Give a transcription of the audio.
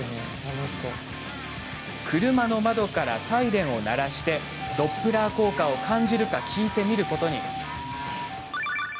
車の窓からサイレンを鳴らしてドップラー効果を感じるか聞いてみることに。